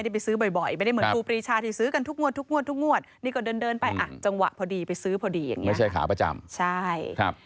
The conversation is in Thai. เพราะว่าไม่ได้ไปซื้อบ่อย